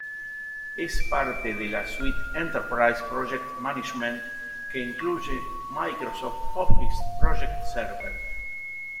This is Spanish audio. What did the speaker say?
Es parte de la suite Enterprise Project Management que incluye Microsoft Office Project Server.